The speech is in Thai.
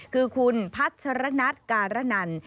คือคุณพัชรนัทการนัน